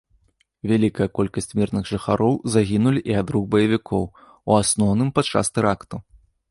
Вялікая колькасць мірных жыхароў загінулі і ад рук баевікоў, у асноўным падчас тэрактаў.